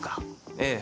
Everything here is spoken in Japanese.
ええ。